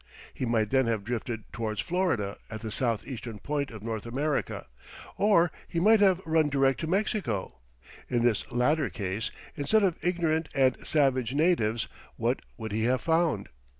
He might then have drifted towards Florida at the south eastern point of North America, or he might have run direct to Mexico. In this latter case, instead of ignorant and savage natives, what would he have found?